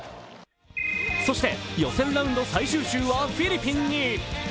そして、予選ラウンド最終週はフィリピンに。